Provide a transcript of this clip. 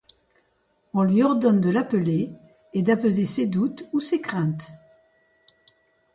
On lui ordonne de l'appeler et d'apaiser ses doutes ou ses craintes.